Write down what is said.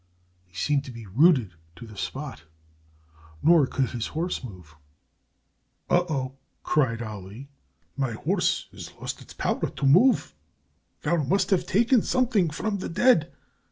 He seemed to be rooted to the spot. Nor could his horse move. "Oh, oh," cried Ali, "my horse has lost its power to move. Thou must have taken something from the dead.